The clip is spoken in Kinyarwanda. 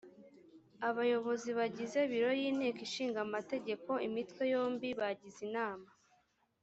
abayobozi bagize biro y’inteko ishinga amategeko imitwe yombi bagize inama